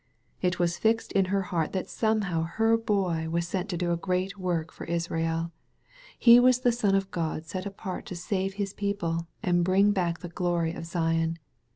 It was fixed in her heart that somehow her Boy was sent to do a great work for Israel. He was the son of God set apart to save his people and bring back the glory of Zion.